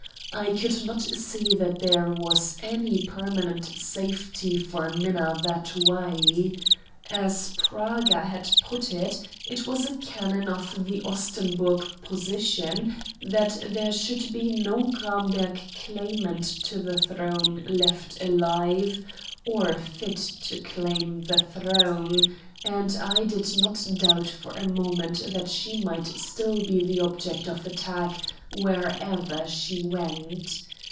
I could not see that there was any permanent safety for Minna that way. As Praga had put it, it was a canon of the Ostenburg position that there should be no Gramberg claimant to the throne left alive or fit to claim the throne; and I did not doubt for a moment that she might still be the object of attack wherever she went.